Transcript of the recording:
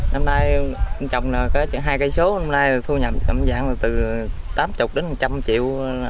năm nay trồng là hai cây số năm nay thu nhập tầm dạng là từ tám mươi đến một trăm linh triệu